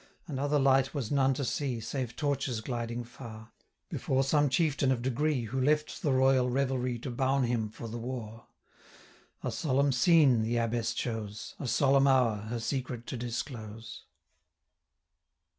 And other light was none to see, 565 Save torches gliding far, Before some chieftain of degree, Who left the royal revelry To bowne him for the war. A solemn scene the Abbess chose; 570 A solemn hour, her secret to disclose.